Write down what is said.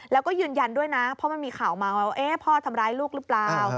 แล้วก็ยืนยันด้วยนะเพราะมันมีข่าวมาว่าพ่อทำร้ายลูกหรือเปล่า